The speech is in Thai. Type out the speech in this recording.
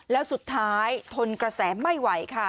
แล้วสุดท้ายทนกระแสไม่ไหวค่ะ